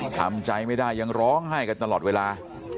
ทำใจไม่ได้ยังร้องไห้กันตลอดเวลา